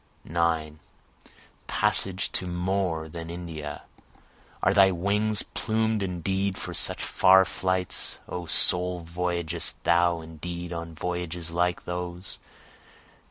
9 Passage to more than India! Are thy wings plumed indeed for such far flights? O soul, voyagest thou indeed on voyages like those?